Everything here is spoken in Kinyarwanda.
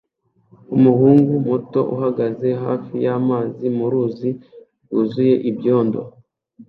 Umuhungu muto ahagaze hafi y'amazi mu ruzi rwuzuye ibyondo